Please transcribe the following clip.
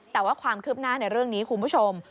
แต่ว่าความคืบหน้าในเรื่องนี้คุณผู้ชม